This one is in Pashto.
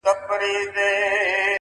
همدارنګه افغان ډياسپورا که يوازي